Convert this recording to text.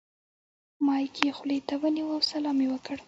مایک یې خولې ته ونیو او سلام یې وکړ.